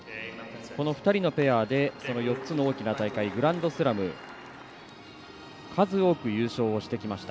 この２人のペアでその４つの大きな大会グランドスラム数多く優勝をしてきました。